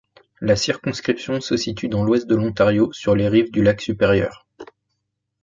La circonscription se situe dans l'ouest de l'Ontario, sur les rives du lac Supérieur.